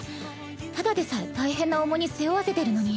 ただでさえ大変な重荷背負わせてるのに。